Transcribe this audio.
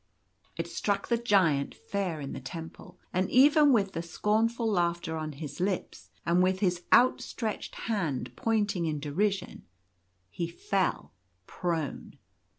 It struck the Giant fair in the temple ; and even with the scornful laughter on his lips, and with his outstretched hand pointing in derision, he fell prone.